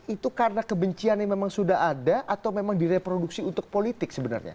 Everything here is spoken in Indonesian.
itu karena kebencian yang memang sudah ada atau memang direproduksi untuk politik sebenarnya